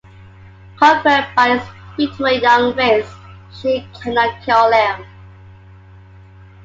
Conquered by his beautiful young face, she cannot kill him.